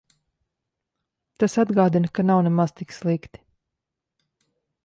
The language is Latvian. Tas atgādina, ka nav nemaz tik slikti.